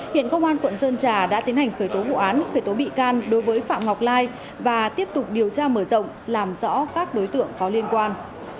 hiện công an quận sơn trà đã tiến hành khởi tố vụ án khởi tố bị can đối với phạm ngọc lai và tiếp tục điều tra mở rộng làm rõ các đối tượng có liên quan